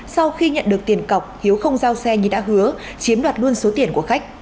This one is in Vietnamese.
sau khi nhận được tiền cọc hiếu không giao xe như đã hứa chiếm đoạt luôn số tiền của khách